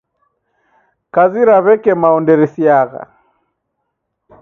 Kazi ra w'eke mao nderisiagha